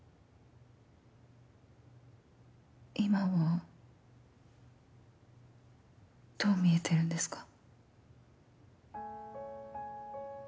今はどう見えてるんですか？